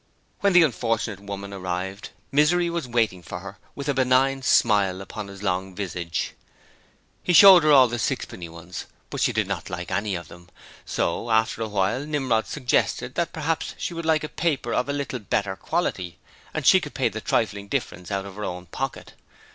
When the unfortunate woman arrived, Misery was waiting for her with a benign smile upon his long visage. He showed her all the sixpenny ones, but she did not like any of them, so after a while Nimrod suggested that perhaps she would like a paper of a little better quality, and she could pay the trifling difference out of her own pocket.